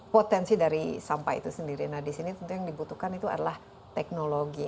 potensi dari sampah itu sendiri nah di sini tentu yang dibutuhkan itu adalah teknologi